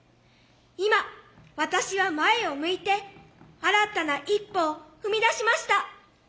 今私は前を向いて新たな一歩を踏み出しました。